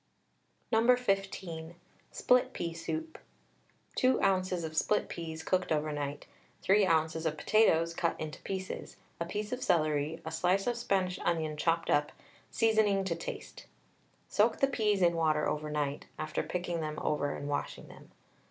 No. 15. SPLIT PEA SOUP. 2 oz. of split peas cooked overnight, 3 oz. of potatoes cut into pieces, a piece of celery, a slice of Spanish onion chopped up, seasoning to taste. Soak the peas in water overnight, after picking them over and washing them.